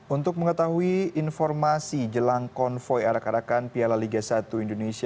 untuk mengetahui informasi jelang konvoy arak arakan piala liga satu indonesia